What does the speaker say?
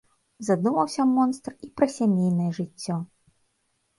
Задумаўся монстр і пра сямейнае жыццё.